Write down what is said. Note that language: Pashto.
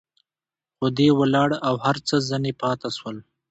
خو دى ولاړ او هر څه ځنې پاته سول.